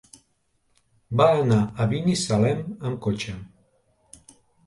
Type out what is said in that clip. Va anar a Binissalem amb cotxe.